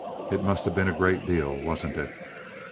"It must have been a great deal, wasn't it?"